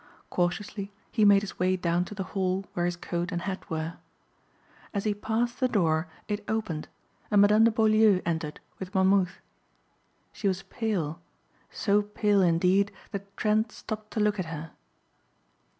Cautiously he made his way down to the hall where his coat and hat were. As he passed the door it opened and Madame de Beaulieu entered with Monmouth. She was pale, so pale indeed that Trent stopped to look at her.